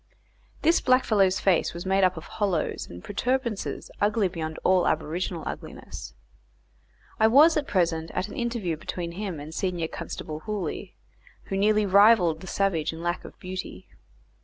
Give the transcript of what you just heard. This blackfellow's face was made up of hollows and protuberances ugly beyond all aboriginal ugliness. I was present at an interview between him and senior constable Hooley, who nearly rivalled the savage in lack of beauty.